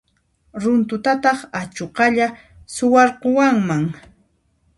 Runtutataq achuqalla suwarqukunman.